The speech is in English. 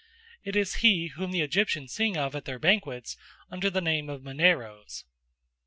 It is he whom the Egyptians sing of at their banquets under the name of Maneros.